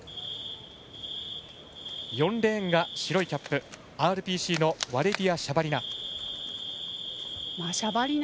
４レーンが白いキャップＲＰＣのワレリヤ・シャバリナ。